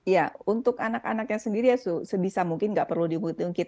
ya untuk anak anaknya sendiri sebisa mungkin nggak perlu diungkit ungkit